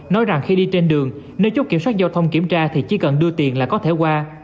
nói rằng khi đi trên đường nếu chốt kiểm soát giao thông kiểm tra thì chỉ cần đưa tiền là có thể qua